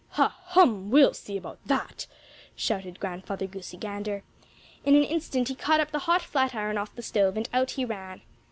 "Ha! Hum! We'll see about that!" shouted Grandfather Goosey Gander. In an instant he caught up the hot flatiron off the stove, and out he ran.